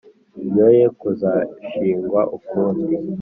byoye kuzashingwa ukundi.